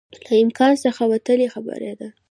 له امکان څخه وتلی خبره ده